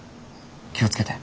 気を付けて。